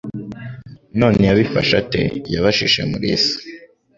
None yabifashe ate?" yabajije Mulisa.